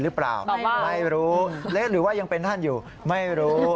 หรือเปล่าไม่รู้เละหรือว่ายังเป็นท่านอยู่ไม่รู้